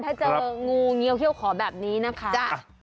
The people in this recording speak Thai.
ถ้าเจองูเงียวเขี้ยวขอแบบนี้นะคะจ้ะ